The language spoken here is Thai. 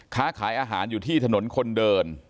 ค้าขายอาหารอยู่ที่ถนนคนเดิน